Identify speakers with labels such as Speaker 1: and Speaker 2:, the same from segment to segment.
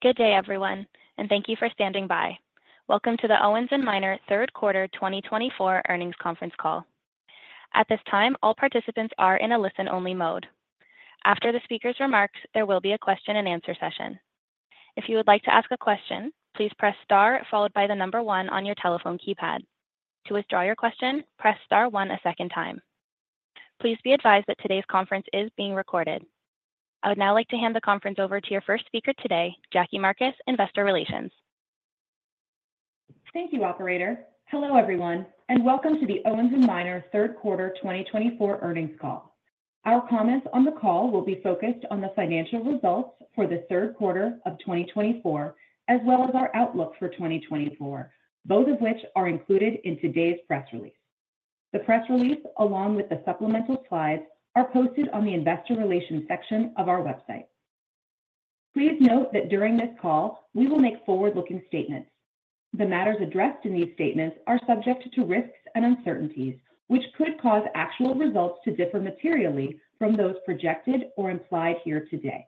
Speaker 1: Good day, everyone, and thank you for standing by. Welcome to the Owens & Minor's Q3 2024 earnings conference call. At this time, all participants are in a listen-only mode. After the speaker's remarks, there will be a question-and-answer session. If you would like to ask a question, please press star followed by the number one on your telephone keypad. To withdraw your question, press star one a second time. Please be advised that today's conference is being recorded. I would now like to hand the conference over to your first speaker today, Jackie Marcus, Investor Relations.
Speaker 2: Thank you, Operator. Hello, everyone, and welcome to the Owens & Minor Q3 2024 earnings call. Our comments on the call will be focused on the financial results for the Q3 of 2024, as well as our outlook for 2024, both of which are included in today's press release. The press release, along with the supplemental slides, are posted on the Investor Relations section of our website. Please note that during this call, we will make forward-looking statements. The matters addressed in these statements are subject to risks and uncertainties, which could cause actual results to differ materially from those projected or implied here today.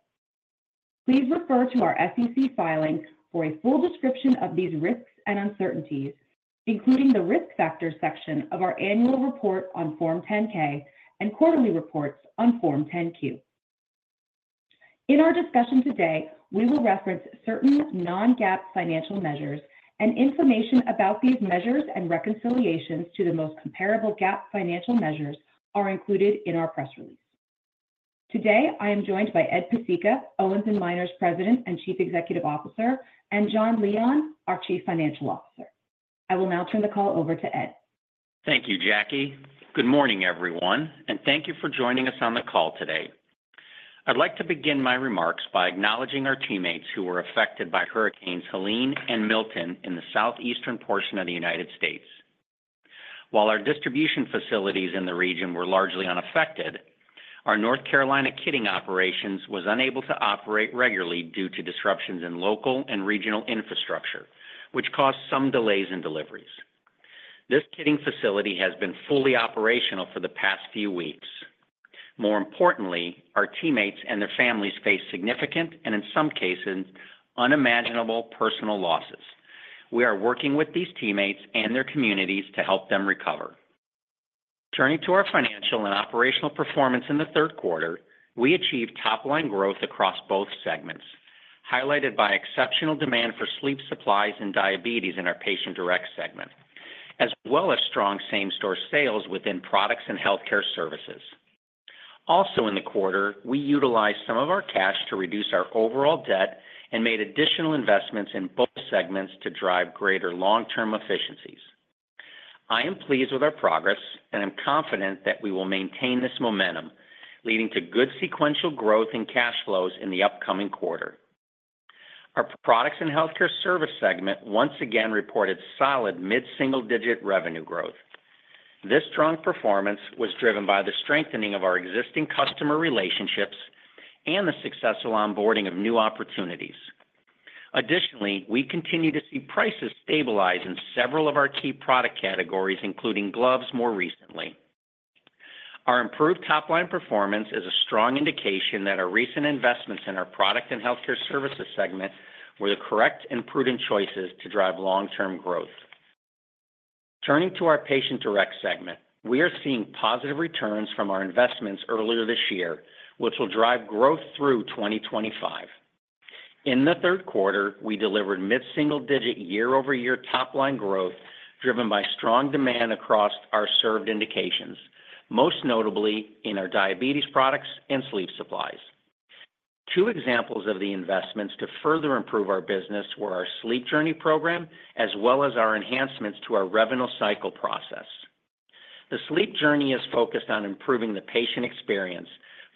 Speaker 2: Please refer to our SEC filings for a full description of these risks and uncertainties, including the risk factors section of our annual report on Form 10-K and quarterly reports on Form 10-Q. In our discussion today, we will reference certain non-GAAP financial measures, and information about these measures and reconciliations to the most comparable GAAP financial measures are included in our press release. Today, I am joined by Ed Pesicka, Owens & Minor's President and Chief Executive Officer, and John Leon, our Chief Financial Officer. I will now turn the call over to Ed.
Speaker 3: Thank you, Jackie. Good morning, everyone, and thank you for joining us on the call today. I'd like to begin my remarks by acknowledging our teammates who were affected by Hurricanes Helene and Milton in the Southeastern United States. While our distribution facilities in the region were largely unaffected, our North Carolina kitting operations was unable to operate regularly due to disruptions in local and regional infrastructure, which caused some delays in deliveries. This kitting facility has been fully operational for the past few weeks. More importantly, our teammates and their families face significant and, in some cases, unimaginable personal losses. We are working with these teammates and their communities to help them recover. Turning to our financial and operational performance in the Q3, we achieved top-line growth across both segments, highlighted by exceptional demand for sleep supplies and diabetes in our Patient-Direct segment, as well as strong same-store sales within Products and Healthcare Services. Also, in the quarter, we utilized some of our cash to reduce our overall debt and made additional investments in both segments to drive greater long-term efficiencies. I am pleased with our progress, and I'm confident that we will maintain this momentum, leading to good sequential growth in cash flows in the upcoming quarter. Our Products and Healthcare Services segment once again reported solid mid-single-digit revenue growth. This strong performance was driven by the strengthening of our existing customer relationships and the successful onboarding of new opportunities. Additionally, we continue to see prices stabilize in several of our key product categories, including gloves, more recently. Our improved top-line performance is a strong indication that our recent investments in our Products and Healthcare Services segment were the correct and prudent choices to drive long-term growth. Turning to our Patient-Direct segment, we are seeing positive returns from our investments earlier this year, which will drive growth through 2025. In the Q3, we delivered mid-single-digit year-over-year top-line growth driven by strong demand across our served indications, most notably in our diabetes products and sleep supplies. Two examples of the investments to further improve our business were our Sleep Journey program, as well as our enhancements to our revenue cycle process. The Sleep Journey is focused on improving the patient experience,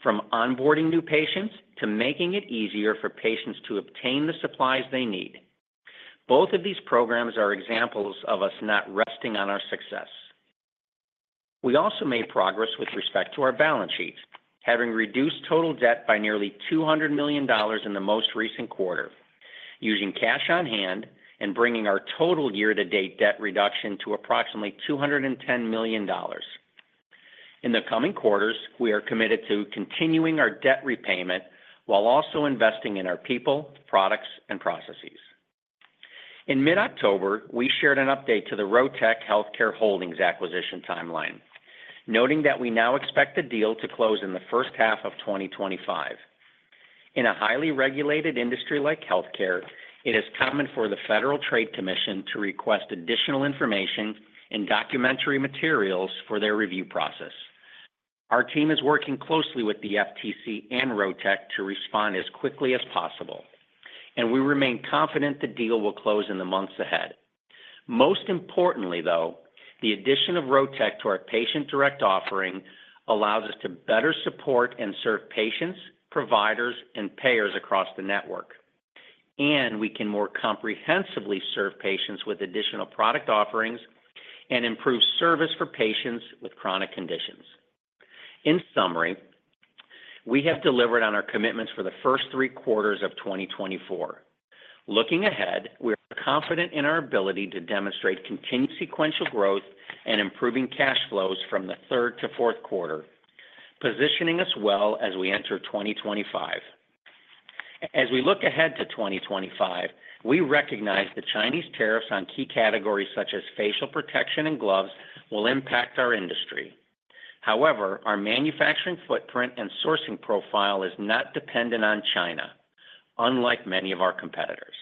Speaker 3: from onboarding new patients to making it easier for patients to obtain the supplies they need. Both of these programs are examples of us not resting on our success. We also made progress with respect to our balance sheet, having reduced total debt by nearly $200 million in the most recent quarter, using cash on hand and bringing our total year-to-date debt reduction to approximately $210 million. In the coming quarters, we are committed to continuing our debt repayment while also investing in our people, products, and processes. In mid-October, we shared an update to the Rotech Healthcare Holdings acquisition timeline, noting that we now expect the deal to close in the first half of 2025. In a highly regulated industry like healthcare, it is common for the Federal Trade Commission to request additional information and documentary materials for their review process. Our team is working closely with the FTC and Rotech to respond as quickly as possible, and we remain confident the deal will close in the months ahead. Most importantly, though, the addition of Rotech to our Patient-Direct offering allows us to better support and serve patients, providers, and payers across the network, and we can more comprehensively serve patients with additional product offerings and improve service for patients with chronic conditions. In summary, we have delivered on our commitments for the first three quarters of 2024. Looking ahead, we are confident in our ability to demonstrate continued sequential growth and improving cash flows from the third to Q4, positioning us well as we enter 2025. As we look ahead to 2025, we recognize the Chinese tariffs on key categories such as facial protection and gloves will impact our industry. However, our manufacturing footprint and sourcing profile is not dependent on China, unlike many of our competitors.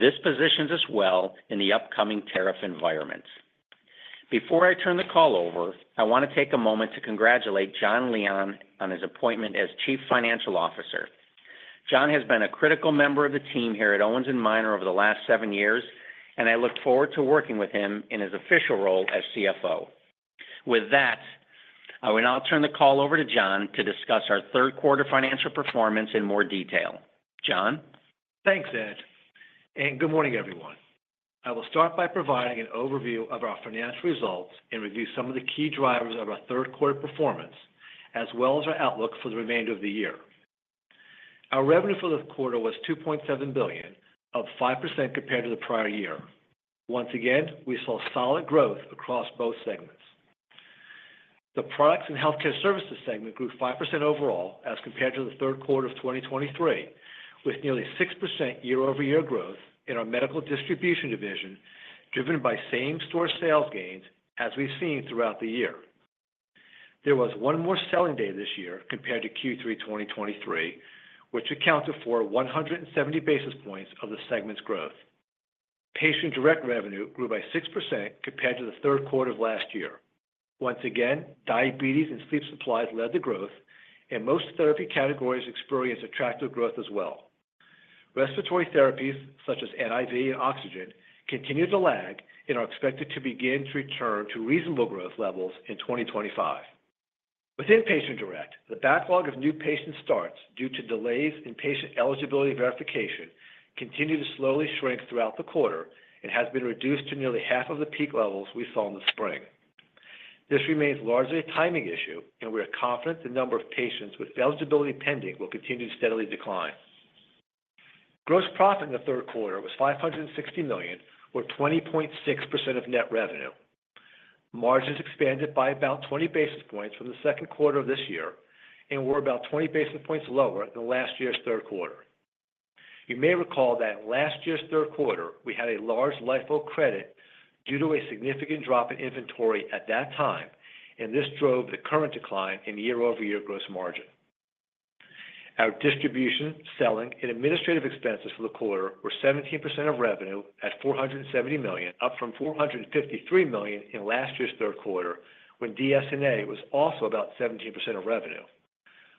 Speaker 3: This positions us well in the upcoming tariff environment. Before I turn the call over, I want to take a moment to congratulate John Leon on his appointment as Chief Financial Officer. John has been a critical member of the team here at Owens & Minor over the last seven years, and I look forward to working with him in his official role as CFO. With that, I will now turn the call over to John to discuss our Q3 financial performance in more detail. John?
Speaker 4: Thanks, Ed. Good morning, everyone. I will start by providing an overview of our financial results and review some of the key drivers of our Q3 performance, as well as our outlook for the remainder of the year. Our revenue for the quarter was $2.7 billion, up 5% compared to the prior year. Once again, we saw solid growth across both segments. The Products and Healthcare Services segment grew 5% overall as compared to the Q3 of 2023, with nearly 6% year-over-year growth in our medical distribution division, driven by same-store sales gains as we've seen throughout the year. There was one more selling day this year compared to Q3 2023, which accounted for 170 basis points of the segment's growth. Patient-Direct revenue grew by 6% compared to the Q3 of last year. Once again, diabetes and sleep supplies led the growth, and most therapy categories experienced attractive growth as well. Respiratory therapies, such as NIV and oxygen, continue to lag and are expected to begin to return to reasonable growth levels in 2025. Within Patient-Direct, the backlog of new patient starts due to delays in patient eligibility verification continue to slowly shrink throughout the quarter and has been reduced to nearly half of the peak levels we saw in the spring. This remains largely a timing issue, and we are confident the number of patients with eligibility pending will continue to steadily decline. Gross profit in the Q3 was $560 million, or 20.6% of net revenue. Margins expanded by about 20 basis points from the Q2 of this year and were about 20 basis points lower than last year's Q3. You may recall that last year's Q3, we had a large LIFO credit due to a significant drop in inventory at that time, and this drove the current decline in year-over-year gross margin. Our distribution, selling, and administrative expenses for the quarter were 17% of revenue at $470 million, up from $453 million in last year's Q3, when DS&A was also about 17% of revenue.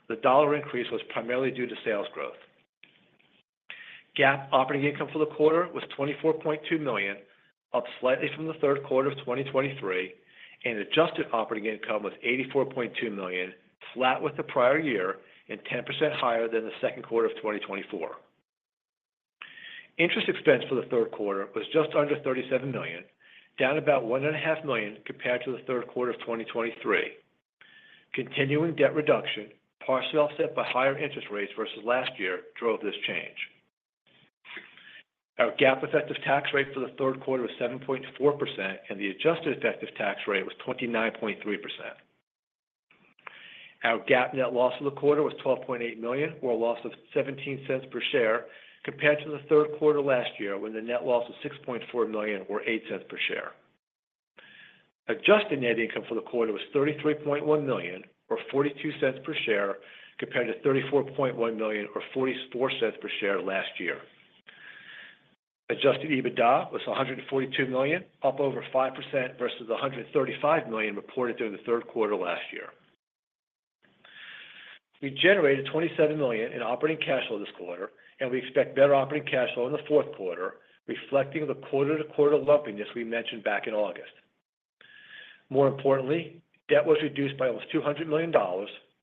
Speaker 4: The dollar increase was primarily due to sales growth. GAAP operating income for the quarter was $24.2 million, up slightly from the Q3 of 2023, and adjusted operating income was $84.2 million, flat with the prior year and 10% higher than the Q2 of 2024. Interest expense for the Q3 was just under $37 million, down about $1.5 million compared to the Q3 of 2023. Continuing debt reduction, partially offset by higher interest rates versus last year, drove this change. Our GAAP effective tax rate for the Q3 was 7.4%, and the adjusted effective tax rate was 29.3%. Our GAAP net loss for the quarter was $12.8 million, or a loss of $0.17 per share, compared to the Q3 last year when the net loss was $6.4 million, or $0.08 per share. Adjusted net income for the quarter was $33.1 million, or $0.42 per share, compared to $34.1 million, or $0.44 per share last year. Adjusted EBITDA was $142 million, up over 5% versus the $135 million reported during the Q3 last year. We generated $27 million in operating cash flow this quarter, and we expect better operating cash flow in the Q4, reflecting the quarter-to-quarter lumpiness we mentioned back in August. More importantly, debt was reduced by almost $200 million,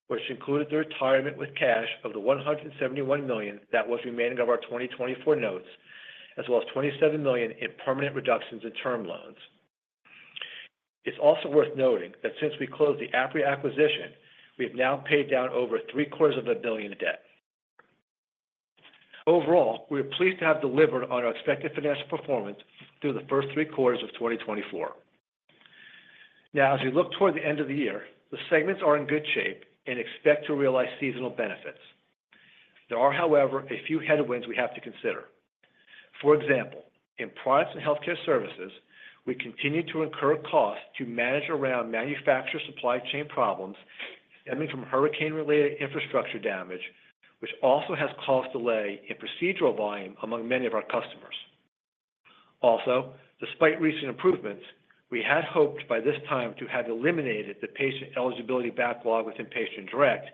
Speaker 4: which included the retirement with cash of the $171 million that was remaining of our 2024 notes, as well as $27 million in permanent reductions in term loans. It's also worth noting that since we closed the Apria acquisition, we have now paid down over $750 million in debt. Overall, we are pleased to have delivered on our expected financial performance through the first three quarters of 2024. Now, as we look toward the end of the year, the segments are in good shape and expect to realize seasonal benefits. There are, however, a few headwinds we have to consider. For example, in Products and Healthcare Services, we continue to incur costs to manage around manufacturer supply chain problems stemming from hurricane-related infrastructure damage, which also has caused delay in procedural volume among many of our customers. Also, despite recent improvements, we had hoped by this time to have eliminated the patient eligibility backlog within Patient-Direct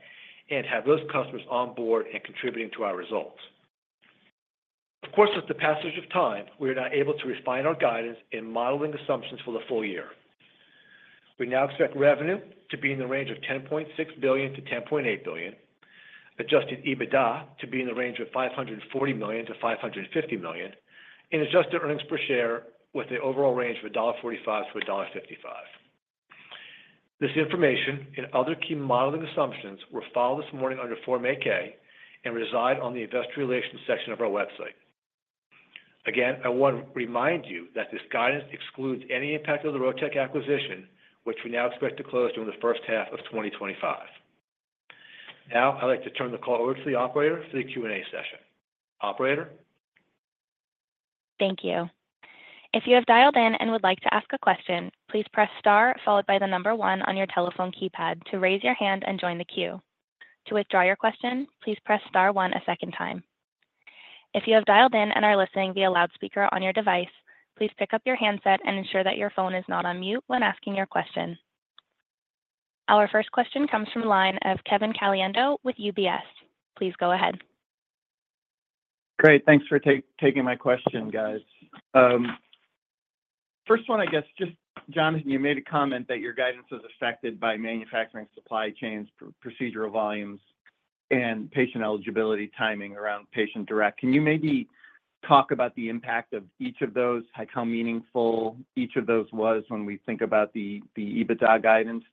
Speaker 4: and have those customers on board and contributing to our results. Of course, with the passage of time, we are now able to refine our guidance and modeling assumptions for the full year. We now expect revenue to be in the range of $10.6 billion-$10.8 billion, Adjusted EBITDA to be in the range of $540 to 550 million, and adjusted earnings per share with an overall range of $1.45-$1.55. This information and other key modeling assumptions were filed this morning under Form 8-K and reside on the investor relations section of our website. Again, I want to remind you that this guidance excludes any impact of the Rotech acquisition, which we now expect to close during the first half of 2025. Now, I'd like to turn the call over to the operator for the Q&A session. Operator?
Speaker 1: Thank you. If you have dialed in and would like to ask a question, please press star followed by the number one on your telephone keypad to raise your hand and join the queue. To withdraw your question, please press star one a second time. If you have dialed in and are listening via loudspeaker on your device, please pick up your handset and ensure that your phone is not on mute when asking your question. Our first question comes from the line of Kevin Caliendo with UBS. Please go ahead.
Speaker 5: Great. Thanks for taking my question, guys. First one, I guess, just John, you made a comment that your guidance was affected by manufacturing supply chains, procedural volumes, and patient eligibility timing around Patient-Direct. Can you maybe talk about the impact of each of those, how meaningful each of those was when we think about the EBITDA guidance?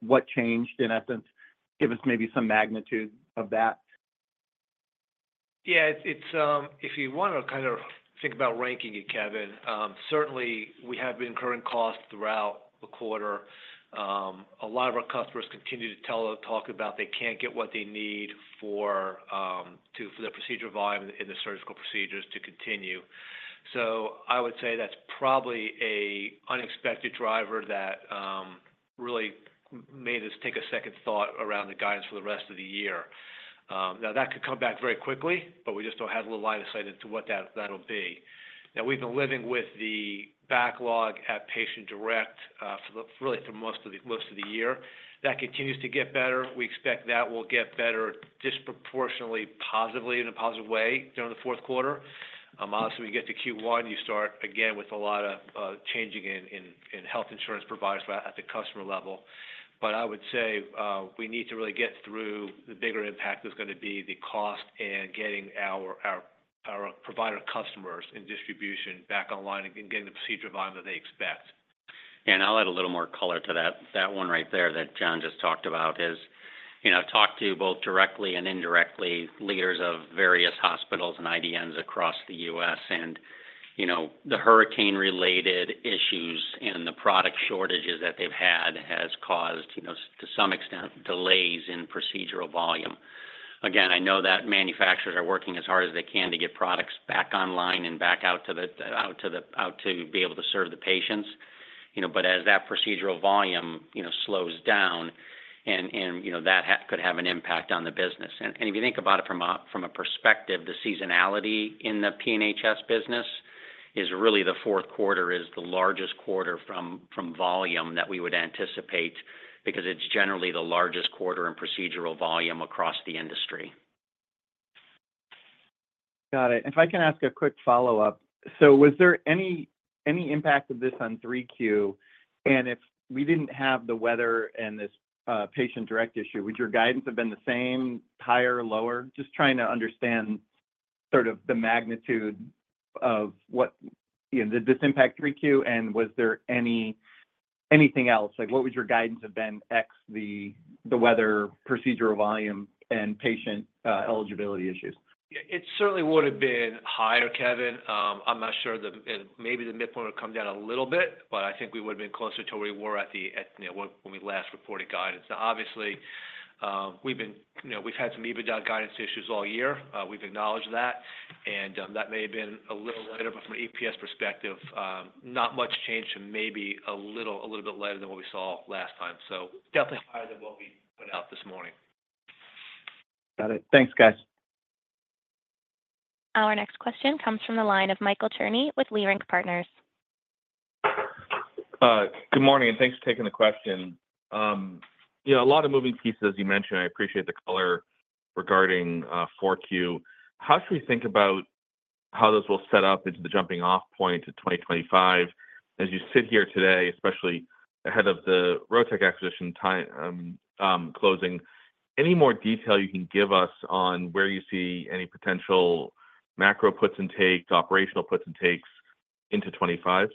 Speaker 5: What changed, in essence? Give us maybe some magnitude of that.
Speaker 4: Yeah. If you want to kind of think about ranking it, Kevin, certainly we have been incurring costs throughout the quarter. A lot of our customers continue to tell the talk about they can't get what they need for the procedure volume and the surgical procedures to continue. So I would say that's probably an unexpected driver that really made us take a second thought around the guidance for the rest of the year. Now, that could come back very quickly, but we just don't have a little line of sight into what that'll be. Now, we've been living with the backlog at Patient-Direct really for most of the year. That continues to get better. We expect that will get better disproportionately positively in a positive way during the Q4. Obviously, we get to Q1, you start again with a lot of changing in health insurance providers at the customer level. But I would say we need to really get through the bigger impact that's going to be the cost and getting our provider customers and distribution back online and getting the procedure volume that they expect.
Speaker 3: Yeah, and I'll add a little more color to that. That one right there that John just talked about, I've talked to both direct and indirect leaders of various hospitals and IDNs across the U.S. The hurricane-related issues and the product shortages that they've had has caused, to some extent, delays in procedural volume. Again, I know that manufacturers are working as hard as they can to get products back online and back out to be able to serve the patients, but as that procedural volume slows down, that could have an impact on the business, and if you think about it from a perspective, the seasonality in the PNHS business is really the Q4 is the largest quarter in volume that we would anticipate because it's generally the largest quarter in procedural volume across the industry.
Speaker 5: Got it. If I can ask a quick follow-up, so was there any impact of this on 3Q? And if we didn't have the weather and this Patient-Direct issue, would your guidance have been the same, higher, lower? Just trying to understand sort of the magnitude of what did this impact 3Q, and was there anything else? What would your guidance have been ex the weather, procedural volume, and patient eligibility issues?
Speaker 4: It certainly would have been higher, Kevin. I'm not sure. Maybe the midpoint would come down a little bit, but I think we would have been closer to where we were at when we last reported guidance. Now, obviously, we've had some EBITDA guidance issues all year. We've acknowledged that. And that may have been a little later, but from an EPS perspective, not much changed to maybe a little bit later than what we saw last time. So definitely higher than what we put out this morning.
Speaker 5: Got it. Thanks, guys.
Speaker 1: Our next question comes from the line of Michael Cherny with Leerink Partners.
Speaker 6: Good morning, and thanks for taking the question. A lot of moving pieces, as you mentioned. I appreciate the color regarding Q4. How should we think about how those will set up into the jumping-off point to 2025? As you sit here today, especially ahead of the Rotech acquisition closing, any more detail you can give us on where you see any potential macro puts and takes, operational puts and takes into 2025?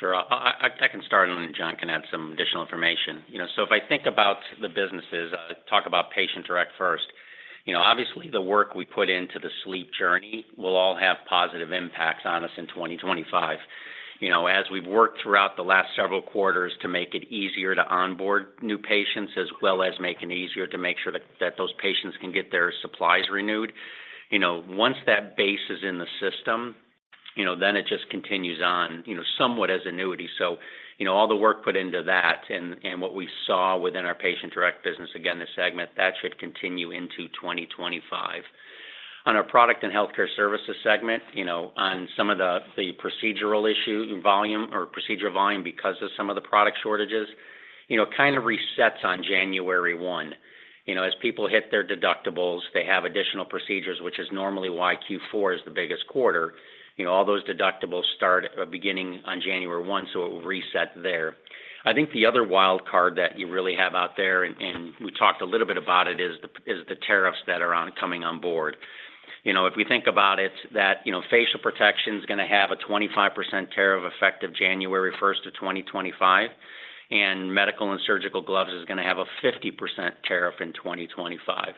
Speaker 3: Sure. I can start, and then John can add some additional information. So if I think about the businesses, I talk about Patient-Direct first. Obviously, the work we put into the Sleep Journey will all have positive impacts on us in 2025. As we've worked throughout the last several quarters to make it easier to onboard new patients, as well as make it easier to make sure that those patients can get their supplies renewed, once that base is in the system, then it just continues on somewhat as annuity. So all the work put into that and what we saw within our Patient-Direct business, again, the segment, that should continue into 2025. On our Products and Healthcare Services segment, on some of the procedural issue volume or procedural volume because of some of the product shortages, kind of resets on January 1. As people hit their deductibles, they have additional procedures, which is normally why Q4 is the biggest quarter. All those deductibles start beginning on January 1, so it will reset there. I think the other wild card that you really have out there, and we talked a little bit about it, is the tariffs that are coming on board. If we think about it, that facial protection is going to have a 25% tariff effective January 1st of 2025, and medical and surgical gloves is going to have a 50% tariff in 2025.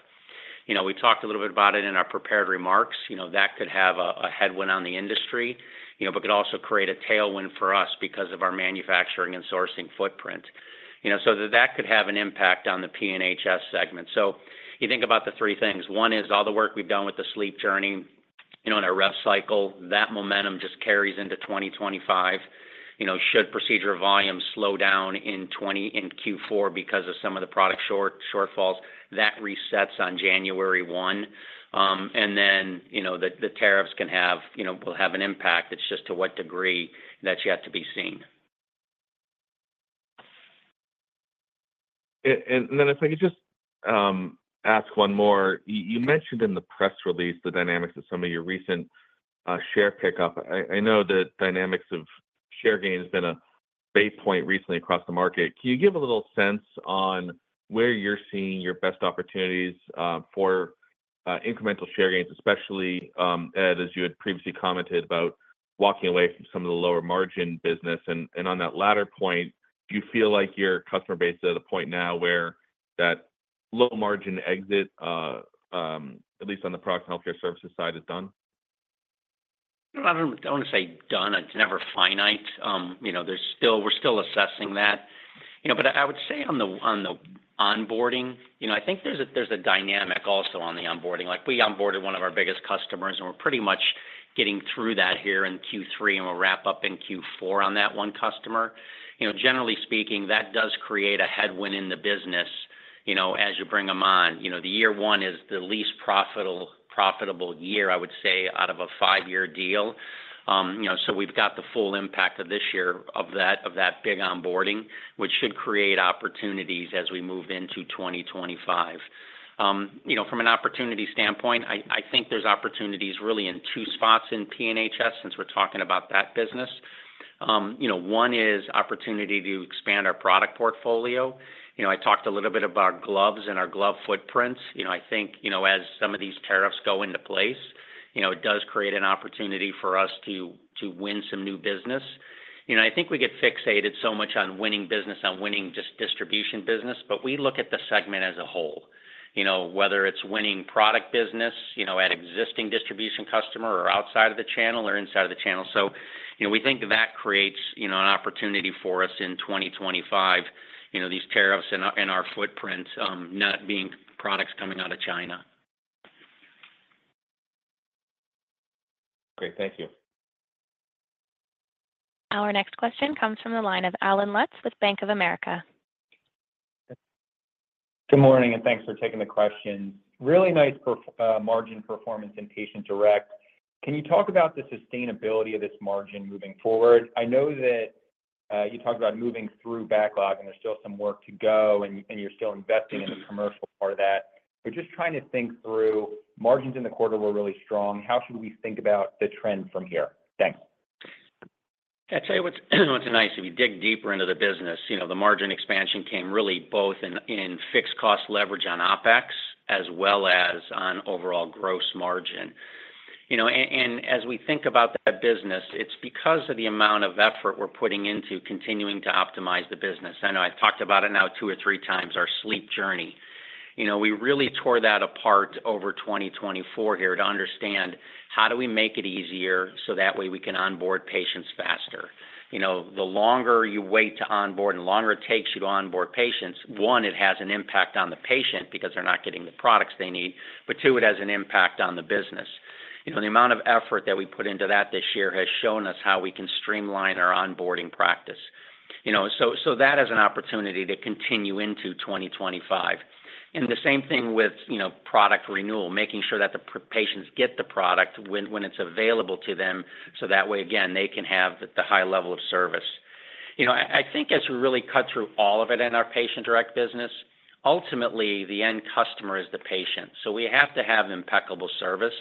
Speaker 3: We talked a little bit about it in our prepared remarks. That could have a headwind on the industry, but could also create a tailwind for us because of our manufacturing and sourcing footprint. So that could have an impact on the PNHS segment. So you think about the three things. One is all the work we've done with the Sleep Journey on our rev cycle. That momentum just carries into 2025. Should procedural volume slow down in Q4 because of some of the product shortfalls, that resets on January 1, and then the tariffs will have an impact. It's just to what degree that has to be seen.
Speaker 6: And then if I could just ask one more. You mentioned in the press release the dynamics of some of your recent share pickup. I know the dynamics of share gains has been a basis point recently across the market. Can you give a little sense on where you're seeing your best opportunities for incremental share gains, especially as you had previously commented about walking away from some of the lower margin business? And on that latter point, do you feel like your customer base is at a point now where that low margin exit, at least on the Product and Healthcare Services side, is done?
Speaker 3: I don't want to say done. It's never finite. We're still assessing that, but I would say on the onboarding, I think there's a dynamic also on the onboarding. We onboarded one of our biggest customers, and we're pretty much getting through that here in Q3, and we'll wrap up in Q4 on that one customer. Generally speaking, that does create a headwind in the business as you bring them on. The year one is the least profitable year, I would say, out of a five-year deal, so we've got the full impact of this year of that big onboarding, which should create opportunities as we move into 2025. From an opportunity standpoint, I think there's opportunities really in two spots in PNHS since we're talking about that business. One is opportunity to expand our product portfolio. I talked a little bit about gloves and our glove footprints. I think as some of these tariffs go into place, it does create an opportunity for us to win some new business. I think we get fixated so much on winning business, on winning just distribution business, but we look at the segment as a whole, whether it's winning product business at existing distribution customer or outside of the channel or inside of the channel. So we think that creates an opportunity for us in 2025, these tariffs and our footprint not being products coming out of China.
Speaker 6: Great. Thank you.
Speaker 1: Our next question comes from the line of Allen Lutz with Bank of America.
Speaker 6: Good morning, and thanks for taking the question. Really nice margin performance in Patient-Direct. Can you talk about the sustainability of this margin moving forward? I know that you talked about moving through backlog, and there's still some work to go, and you're still investing in the commercial part of that. We're just trying to think through margins in the quarter were really strong. How should we think about the trend from here? Thanks.
Speaker 3: I'll tell you what's nice. If you dig deeper into the business, the margin expansion came really both in fixed cost leverage on OpEx as well as on overall gross margin. And as we think about that business, it's because of the amount of effort we're putting into continuing to optimize the business. I know I've talked about it now two or three times, our Sleep Journey. We really tore that apart over 2024 here to understand how do we make it easier so that way we can onboard patients faster. The longer you wait to onboard and the longer it takes you to onboard patients, one, it has an impact on the patient because they're not getting the products they need. But two, it has an impact on the business. The amount of effort that we put into that this year has shown us how we can streamline our onboarding practice, so that has an opportunity to continue into 2025, and the same thing with product renewal, making sure that the patients get the product when it's available to them so that way, again, they can have the high level of service. I think as we really cut through all of it in our Patient-Direct business, ultimately, the end customer is the patient, so we have to have impeccable service.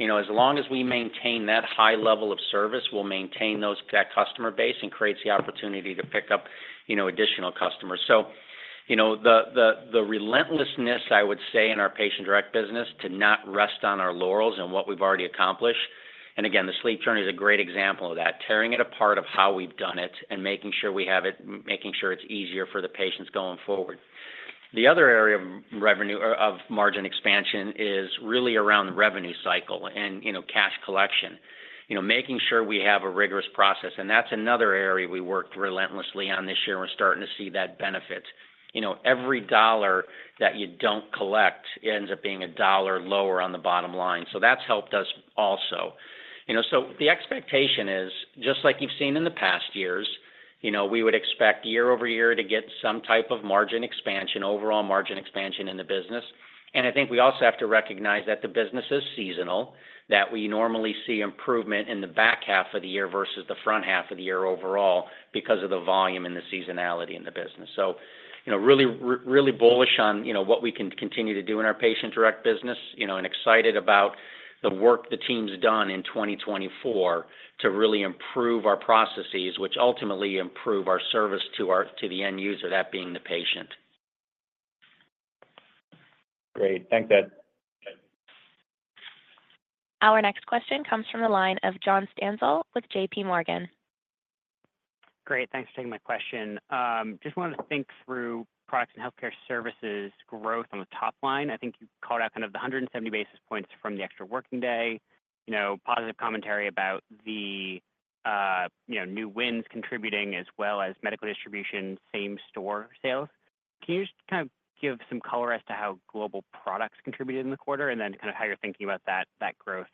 Speaker 3: As long as we maintain that high level of service, we'll maintain that customer base and create the opportunity to pick up additional customers, so the relentlessness, I would say, in our Patient-Direct business to not rest on our laurels and what we've already accomplished. Again, the Sleep Journey is a great example of that, tearing it apart of how we've done it and making sure we have it, making sure it's easier for the patients going forward. The other area of margin expansion is really around the revenue cycle and cash collection, making sure we have a rigorous process. And that's another area we worked relentlessly on this year, and we're starting to see that benefit. Every dollar that you don't collect ends up being a dollar lower on the bottom line. So that's helped us also. So the expectation is, just like you've seen in the past years, we would expect year over year to get some type of margin expansion, overall margin expansion in the business. And I think we also have to recognize that the business is seasonal, that we normally see improvement in the back half of the year versus the front half of the year overall because of the volume and the seasonality in the business. So really bullish on what we can continue to do in our Patient-Direct business and excited about the work the team's done in 2024 to really improve our processes, which ultimately improve our service to the end user, that being the patient.
Speaker 6: Great. Thanks, Ed.
Speaker 1: Our next question comes from the line of John Stanzel with J.P. Morgan.
Speaker 6: Great. Thanks for taking my question. Just wanted to think through Products and Healthcare Services growth on the top line. I think you called out kind of the 170 basis points from the extra working day, positive commentary about the new wins contributing as well as medical distribution, same store sales. Can you just kind of give some color as to how Global Products contributed in the quarter and then kind of how you're thinking about that growth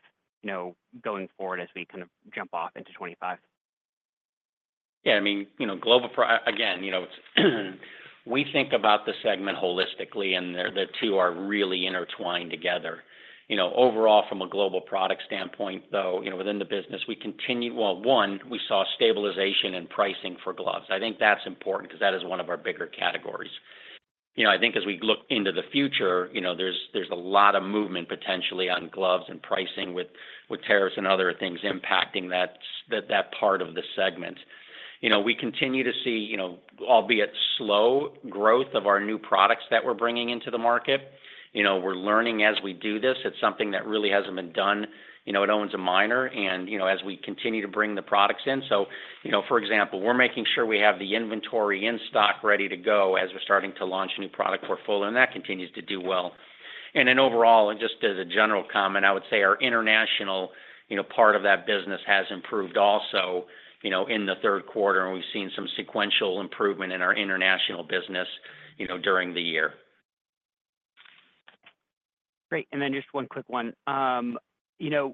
Speaker 6: going forward as we kind of jump off into 2025?
Speaker 3: Yeah. I mean, global, again, we think about the segment holistically, and the two are really intertwined together. Overall, from a global product standpoint, though, within the business, we continue well, one, we saw stabilization in pricing for gloves. I think that's important because that is one of our bigger categories. I think as we look into the future, there's a lot of movement potentially on gloves and pricing with tariffs and other things impacting that part of the segment. We continue to see, albeit slow, growth of our new products that we're bringing into the market. We're learning as we do this. It's something that really hasn't been done. It's Owens & Minor. And as we continue to bring the products in, so for example, we're making sure we have the inventory in stock ready to go as we're starting to launch a new product portfolio, and that continues to do well. And then overall, just as a general comment, I would say our international part of that business has improved also in the Q3, and we've seen some sequential improvement in our international business during the year.
Speaker 7: Great. And then just one quick one.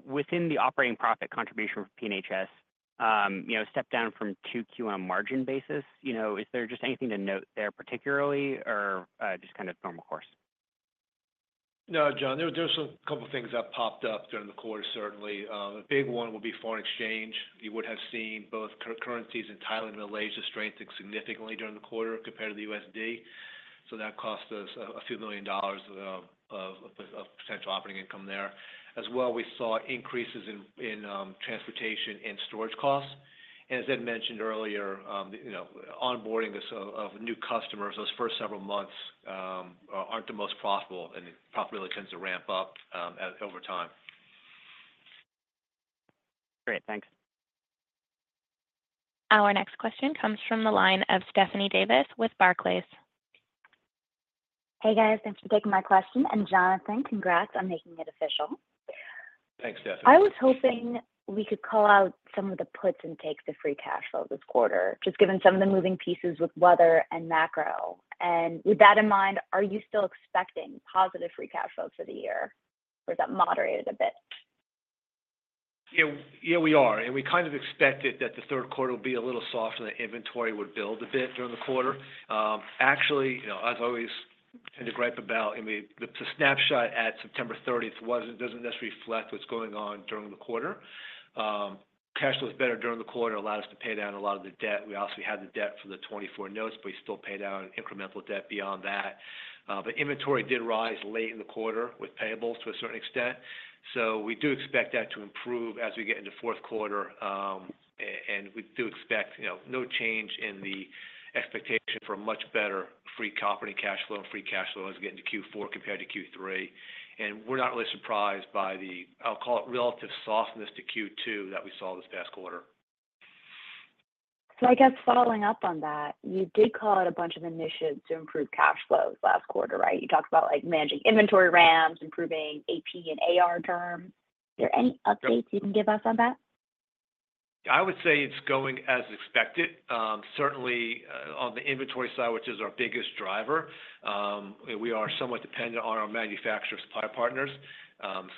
Speaker 7: Within the operating profit contribution for PNHS, step down from 2Q margin basis. Is there just anything to note there particularly or just kind of normal course?
Speaker 4: No, John. There were a couple of things that popped up during the quarter, certainly. A big one would be foreign exchange. You would have seen both currencies in Thailand and Malaysia strengthen significantly during the quarter compared to the USD. So that cost us a few million dollars of potential operating income there. As well, we saw increases in transportation and storage costs. And as Ed mentioned earlier, onboarding of new customers, those first several months aren't the most profitable, and profitability tends to ramp up over time.
Speaker 7: Great. Thanks.
Speaker 1: Our next question comes from the line of Stephanie Davis with Barclays.
Speaker 6: Hey, guys. Thanks for taking my question. And Jonathan, congrats on making it official.
Speaker 4: Thanks, Stephanie.
Speaker 8: I was hoping we could call out some of the puts and takes of free cash flow this quarter, just given some of the moving pieces with weather and macro, and with that in mind, are you still expecting positive free cash flow for the year, or is that moderated a bit?
Speaker 4: Yeah, we are. And we kind of expected that the Q3 would be a little softer, that inventory would build a bit during the quarter. Actually, as always, we tend to gripe about the snapshot at September 30th. It doesn't necessarily reflect what's going on during the quarter. Cash flow was better during the quarter, allowed us to pay down a lot of the debt. We obviously had the debt for the 2024 notes, but we still paid down incremental debt beyond that. But inventory did rise late in the quarter with payables to a certain extent. So we do expect that to improve as we get into Q4. And we do expect no change in the expectation for a much better free operating cash flow and free cash flow as we get into Q4 compared to Q3. We're not really surprised by the, I'll call it, relative softness to Q2 that we saw this past quarter.
Speaker 6: So I guess following up on that, you did call out a bunch of initiatives to improve cash flows last quarter, right? You talked about managing inventory ramps, improving AP and AR terms. Are there any updates you can give us on that?
Speaker 4: I would say it's going as expected. Certainly, on the inventory side, which is our biggest driver, we are somewhat dependent on our manufacturer supply partners.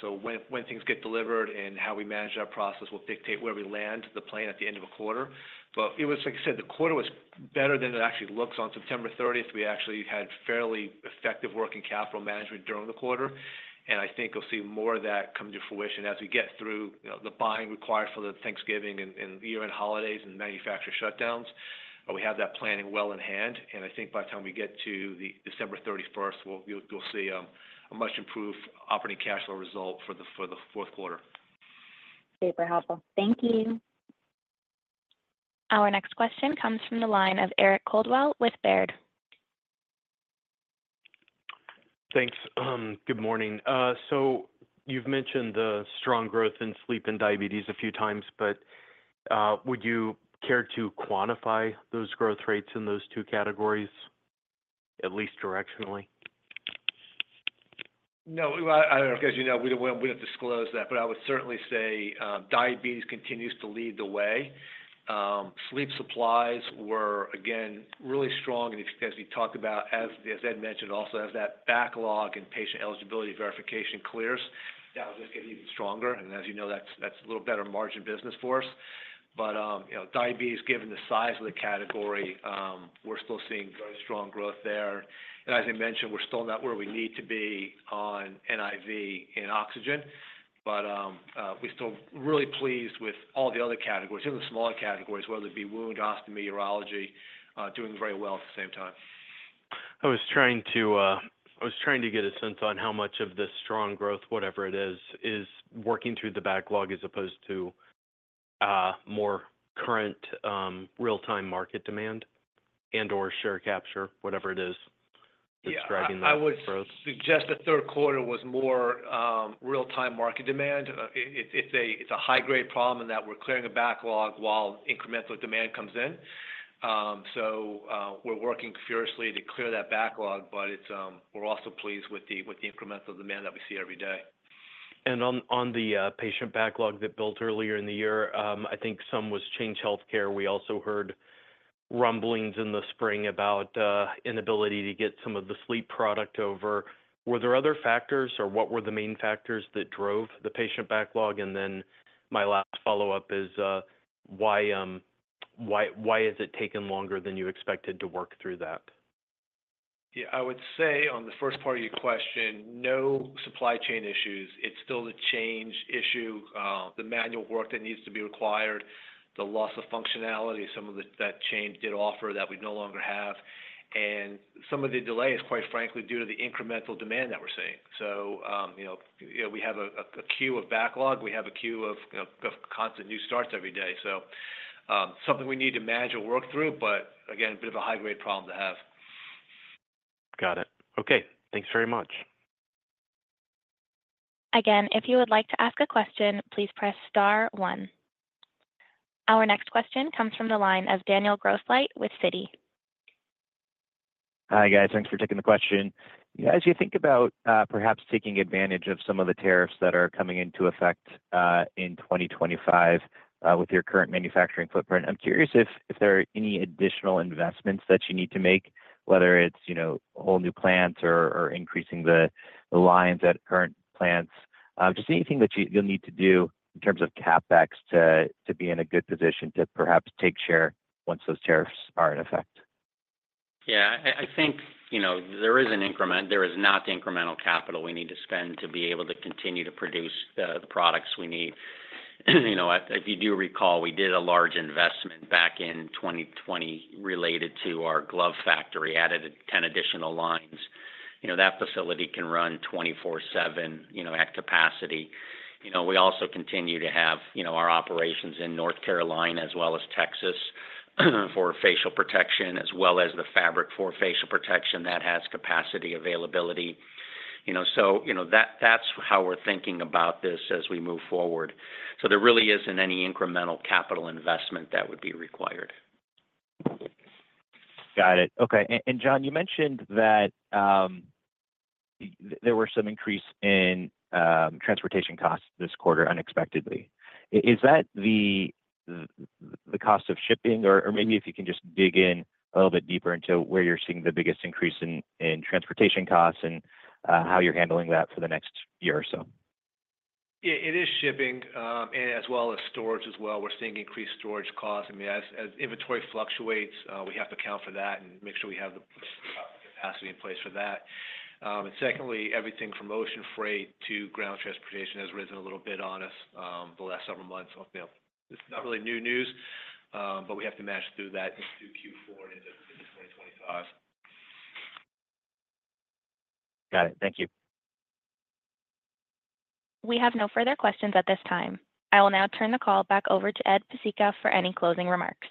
Speaker 4: So when things get delivered and how we manage that process will dictate where we land the plan at the end of the quarter. But it was, like I said, the quarter was better than it actually looks. On September 30th, we actually had fairly effective working capital management during the quarter. And I think we'll see more of that come to fruition as we get through the buying required for the Thanksgiving and year-end holidays and manufacturer shutdowns. We have that planning well in hand. And I think by the time we get to December 31st, we'll see a much improved operating cash flow result for the Q4.
Speaker 6: Super helpful. Thank you.
Speaker 1: Our next question comes from the line of Eric Caldwell with Baird.
Speaker 6: Thanks. Good morning. So you've mentioned the strong growth in sleep and diabetes a few times, but would you care to quantify those growth rates in those two categories, at least directionally?
Speaker 4: No, I don't know. As you know, we don't want to disclose that, but I would certainly say diabetes continues to lead the way. Sleep supplies were, again, really strong. And as we talked about, as Ed mentioned, also as that backlog and patient eligibility verification clears, that will just get even stronger. And as you know, that's a little better margin business for us. But diabetes, given the size of the category, we're still seeing very strong growth there. And as I mentioned, we're still not where we need to be on NIV and oxygen, but we're still really pleased with all the other categories, even the smaller categories, whether it be wound, ostomy, urology, doing very well at the same time.
Speaker 6: I was trying to get a sense on how much of the strong growth, whatever it is, is working through the backlog as opposed to more current real-time market demand and/or share capture, whatever it is, describing that growth.
Speaker 4: Yeah. I would suggest the Q3 was more real-time market demand. It's a high-grade problem in that we're clearing a backlog while incremental demand comes in. So we're working fiercely to clear that backlog, but we're also pleased with the incremental demand that we see everyday.
Speaker 6: And on the patient backlog that built earlier in the year, I think some was Change Healthcare. We also heard rumblings in the spring about inability to get some of the sleep product over. Were there other factors, or what were the main factors that drove the patient backlog? And then my last follow-up is, why has it taken longer than you expected to work through that?
Speaker 4: Yeah. I would say on the first part of your question, no supply chain issues. It's still the change issue, the manual work that needs to be required, the loss of functionality, some of that change did offer that we no longer have. And some of the delay is, quite frankly, due to the incremental demand that we're seeing. So we have a queue of backlog. We have a queue of constant new starts every day. So something we need to manage and work through, but again, a bit of a high-grade problem to have.
Speaker 6: Got it. Okay. Thanks very much.
Speaker 1: Again, if you would like to ask a question, please press star one. Our next question comes from the line of Daniel Grosslight with Citi.
Speaker 6: Hi, guys. Thanks for taking the question. As you think about perhaps taking advantage of some of the tariffs that are coming into effect in 2025 with your current manufacturing footprint, I'm curious if there are any additional investments that you need to make, whether it's whole new plants or increasing the lines at current plants, just anything that you'll need to do in terms of CapEx to be in a good position to perhaps take share once those tariffs are in effect.
Speaker 3: Yeah. I think there is an increment. There is not the incremental capital we need to spend to be able to continue to produce the products we need. If you do recall, we did a large investment back in 2020 related to our glove factory, added 10 additional lines. That facility can run 24/7 at capacity. We also continue to have our operations in North Carolina as well as Texas for facial protection, as well as the fabric for facial protection that has capacity availability. So that's how we're thinking about this as we move forward. So there really isn't any incremental capital investment that would be required.
Speaker 6: Got it. Okay. And John, you mentioned that there were some increases in transportation costs this quarter unexpectedly. Is that the cost of shipping? Or maybe if you can just dig in a little bit deeper into where you're seeing the biggest increase in transportation costs and how you're handling that for the next year or so?
Speaker 4: Yeah. It is shipping as well as storage as well. We're seeing increased storage costs. I mean, as inventory fluctuates, we have to account for that and make sure we have the capacity in place for that, and secondly, everything from ocean freight to ground transportation has risen a little bit on us the last several months. It's not really new news, but we have to march through that into Q4 and into 2025.
Speaker 6: Got it. Thank you.
Speaker 1: We have no further questions at this time. I will now turn the call back over to Ed Pesicka for any closing remarks.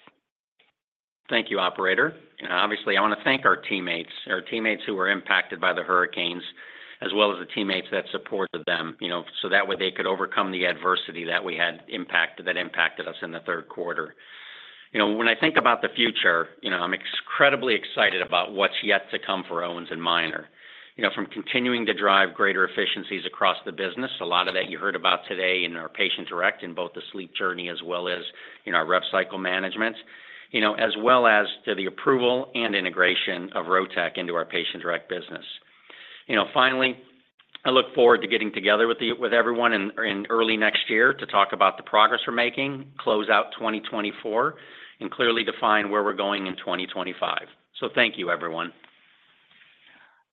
Speaker 3: Thank you, operator. Obviously, I want to thank our teammates, our teammates who were impacted by the hurricanes, as well as the teammates that supported them, so that way they could overcome the adversity that we had that impacted us in the Q3. When I think about the future, I'm incredibly excited about what's yet to come for Owens & Minor. From continuing to drive greater efficiencies across the business, a lot of that you heard about today in our Patient-Direct in both the Sleep Journey as well as in our rev cycle management, as well as to the approval and integration of Rotech into our patient-Direct business. Finally, I look forward to getting together with everyone in early next year to talk about the progress we're making, close out 2024, and clearly define where we're going in 2025. So thank you, everyone.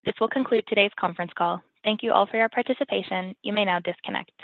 Speaker 1: This will conclude today's conference call. Thank you all for your participation. You may now disconnect.